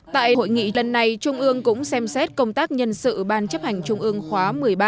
tại hội nghị lần này trung ương cũng xem xét công tác nhân sự ban chấp hành trung ương khóa một mươi ba